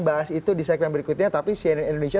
bahas itu di segmen berikutnya tapi cnn indonesia